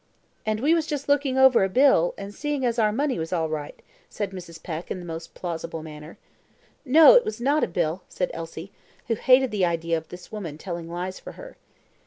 "And we was just a looking over the bill, and seeing as our money was all right," said Mrs. Peck, in the most plausible manner. "No; it was not a bill," said Elsie, who hated the idea of this woman telling lies for her.